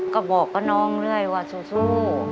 ก็บอกกับน้องเรื่อยว่าสู้